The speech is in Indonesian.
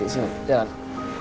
sini ke tengah